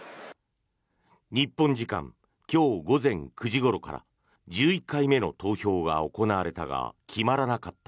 日本時間今日午前９時ごろから１１回目の投票が行われたが決まらなかった。